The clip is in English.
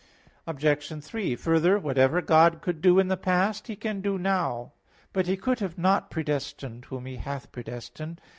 Obj. 3: Further, whatever God could do in the past, He can do now. But He could have not predestined whom He hath predestined.